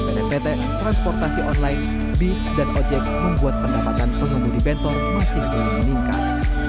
pdpt transportasi online bis dan ojek membuat pendapatan pengemudi bentor masih terus meningkat